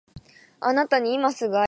あなたに今すぐ会いたい